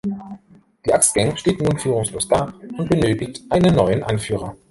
Die „Axt-Gang“ steht nun führungslos da und benötigt einen neuen Anführer.